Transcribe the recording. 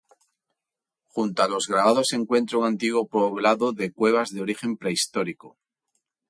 Junto a los grabados se encuentra un antiguo poblado de cuevas de origen prehistórico.